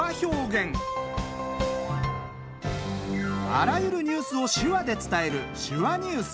あらゆるニュースを手話で伝える「手話ニュース」。